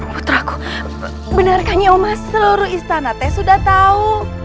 putraku benarkahnya omas seluruh istanate sudah tahu